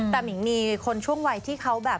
แต่มิงมีคนช่วงวัยที่เขาแบบ